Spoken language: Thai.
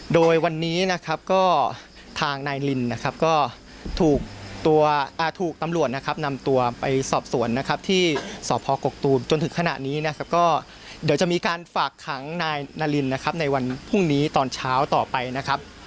โดยวันนี้นะครับก็ทางนายลินนะครับก็ถูกตัวถูกตำรวจนะครับนำตัวไปสอบสวนนะครับที่สพกกตูมจนถึงขณะนี้นะครับก็เดี๋ยวจะมีการฝากขังนายนารินนะครับในวันพรุ่งนี้ตอนเช้าต่อไปนะครับ